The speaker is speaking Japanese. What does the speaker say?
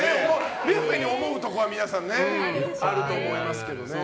ビュッフェに思うところは皆さんあると思いますけど。